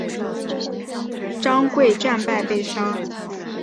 张贵战败被杀。